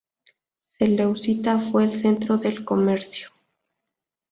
Seleucia fue el centro del comercio.